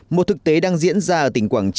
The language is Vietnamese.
một thực tế đang diễn ra ở tỉnh quảng trị